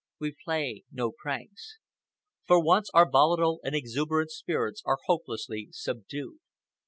We play no pranks. For once our volatile and exuberant spirits are hopelessly subdued.